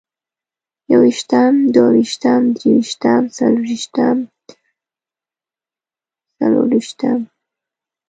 يوويشتم، دوه ويشتم، درويشتم، څلرويشتم، څلورويشتم